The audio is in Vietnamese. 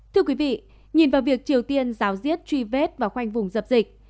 thưa quý vị nhìn vào việc triều tiên giáo diết truy vết và khoanh vùng dập dịch